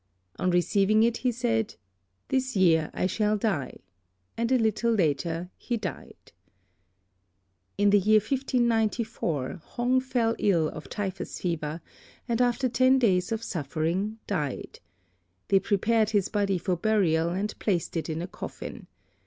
On receiving it he said, "This year I shall die," and a little later he died. In the year 1594, Hong fell ill of typhus fever, and after ten days of suffering, died. They prepared his body for burial, and placed it in a coffin.